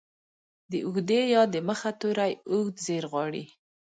د اوږدې ې د مخه توری اوږدزير غواړي.